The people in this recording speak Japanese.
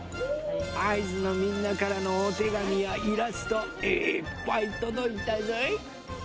あいづのみんなからのおてがみやイラストいっぱいとどいたぞい。